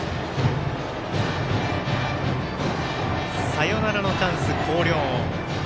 サヨナラのチャンス、広陵。